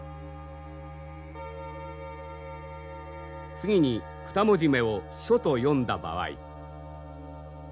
次に２文字目を「初」と読んだ場合。